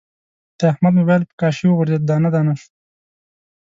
د احمد مبایل په کاشي و غورځید، دانه دانه شو.